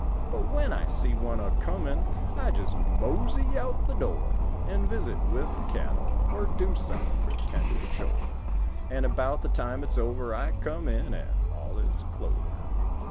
But when I see one a comin'— I just mosey out the door An' visit with the cattle Or do some pretended chore; An' about the time it's over— I come in—and all is clover.